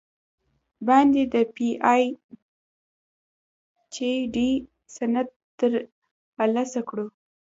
باندې د پې اي چ ډي سند تر السه کړو ۔